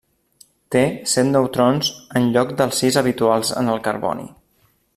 Té set neutrons en lloc dels sis habituals en el carboni.